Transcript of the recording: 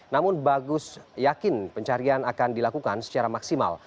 namun bagus yakin pencarian akan dilakukan secara maksimal